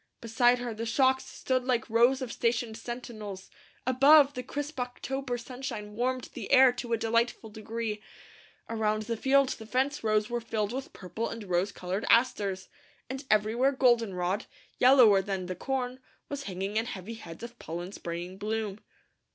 Behind her the shocks stood like rows of stationed sentinels; above, the crisp October sunshine warmed the air to a delightful degree; around the field, the fence rows were filled with purple and rose coloured asters, and everywhere goldenrod, yellower than the corn, was hanging in heavy heads of pollen spraying bloom.